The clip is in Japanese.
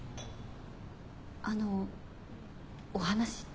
あのお話って？